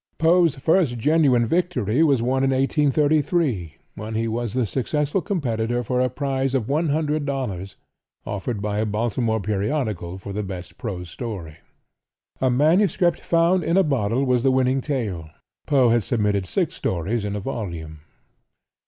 Poe's first genuine victory was won in 1833, when he was the successful competitor for a prize of $100 offered by a Baltimore periodical for the best prose story. "A MSS. Found in a Bottle" was the winning tale. Poe had submitted six stories in a volume.